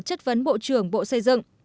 chất vấn bộ trưởng bộ xây dựng